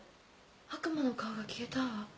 悪魔の顔が消えたわ。